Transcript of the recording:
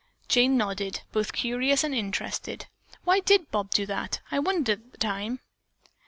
Jane nodded, both curious and interested. "Why did Bob do that? I wondered at the time."